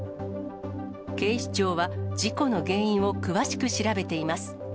警視庁は、事故の原因を詳しく調べています。